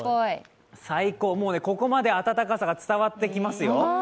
最高、もうここまで暖かさが伝わってきますよ。